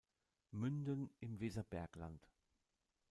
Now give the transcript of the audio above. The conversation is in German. Münden im Weserbergland.